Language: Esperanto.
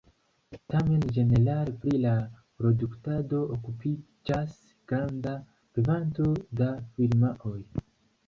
Tamen ĝenerale pri la produktado okupiĝas granda kvanto da firmaoj.